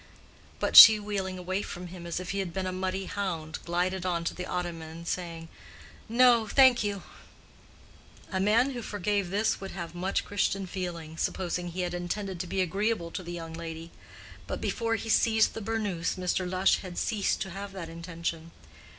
But she, wheeling away from him as if he had been a muddy hound, glided on to the ottoman, saying, "No, thank you." A man who forgave this would have much Christian feeling, supposing he had intended to be agreeable to the young lady; but before he seized the burnous Mr. Lush had ceased to have that intention.